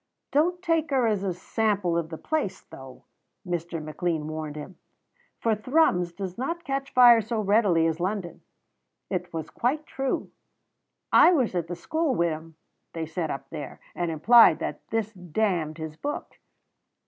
"Don't take her as a sample of the place, though," Mr. McLean warned him, "for Thrums does not catch fire so readily as London." It was quite true. "I was at the school wi' him," they said up there, and implied that this damned his book.